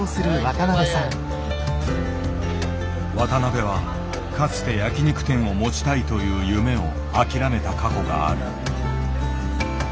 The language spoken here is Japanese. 渡辺はかつて焼き肉店を持ちたいという夢を諦めた過去がある。